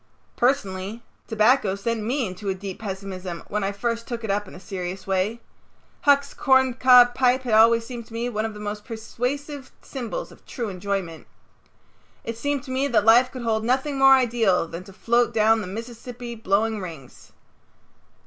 Personally tobacco sent me into a deep pessimism when I first took it up in a serious way. Huck's corncob pipe had always seemed to me one of the most persuasive symbols of true enjoyment. It seemed to me that life could hold nothing more ideal than to float down the Mississippi blowing rings.